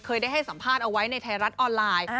เคยได้ให้สัมภาษณ์เอาไว้ในไทยรัฐออนไลน์